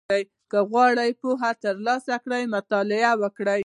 • که غواړې پوهه ترلاسه کړې، مطالعه وکړه.